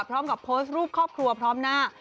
พร้อมกับโพสต์รูปครอบครัวพร้อมหน้า